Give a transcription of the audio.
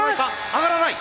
上がらない！